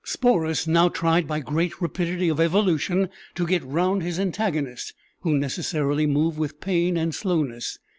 Sporus now tried by great rapidity of evolution to get round his antagonist, who necessarily moved with pain and slowness.